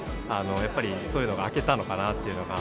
やっぱり、そういうのが明けたのかなというのが。